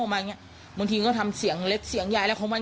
ล้อออกมาเงี้ยบางทีมันก็คือทำเสียงเล็กเสียงใหญ่อะไรของมัน